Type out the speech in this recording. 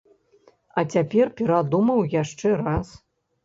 А цяпер перадумаў яшчэ раз.